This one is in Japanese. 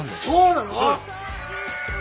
そうなの！？